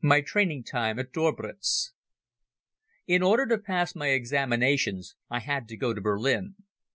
My Training Time at Döberitz IN order to pass my examinations I had to go to Berlin.